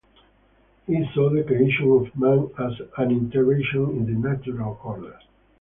He saw the creation of man as an intervention in the natural order.